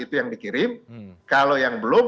itu yang dikirim kalau yang belum